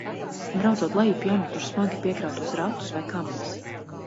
Braucot lejup jānotur smagi piekrautos ratus, vai kamanas.